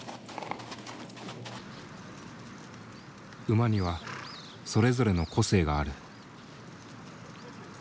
馬にはそれぞれの個性がある。